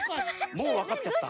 もうわかっちゃった？